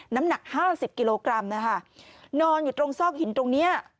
น้ำหนัก๕๐กิโลกรัมนอนอยู่ตรงซอกหินตรงนี้